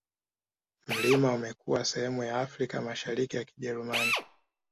Mlima umekuwa sehemu ya Afrika ya Mashariki ya Kijerumani